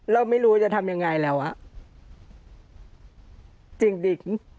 เราไม่รู้จะทำยังไงแล้วอ่ะจริงดิ